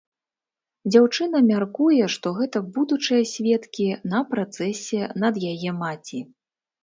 Дзяўчына мяркуе, што гэта будучыя сведкі на працэсе над яе маці.